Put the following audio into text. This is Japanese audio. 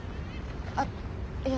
あっいや。